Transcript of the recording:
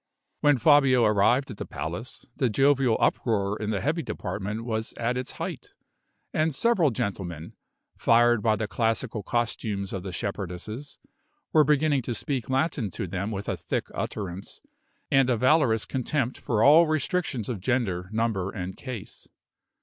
When Fabio arrived at the palace, the jovial uproar in the Heavy Department was at its height, and several gentlemen, fired by the classical costumes of the shepherdesses, were beginning to speak Latin to them with a thick utterance, and a valorous contempt for all restrictions of gender, number, and case.